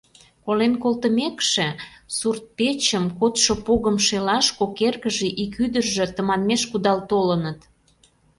Колен колтымекше, сурт-печым, кодшо погым шелаш кок эргыже, ик ӱдыржӧ тыманмеш кудал толыныт.